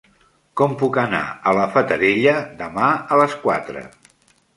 Com puc anar a la Fatarella demà a les quatre?